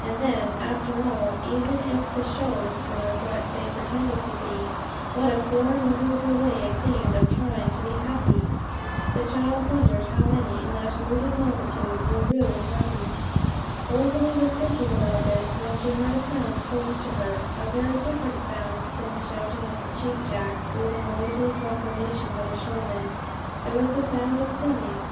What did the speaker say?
And then, after all, even if the shows were what they pretended to be, what a poor miserable way it seemed of trying to be happy! The child wondered how many in that moving multitude were really happy. Rosalie was thinking about this when she heard a sound close to her, a very different sound from the shouting of the cheap jacks or the noisy proclamations of the showmen. It was the sound of singing.